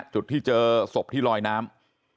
จุดที่เจอศพที่ลอยน้ำ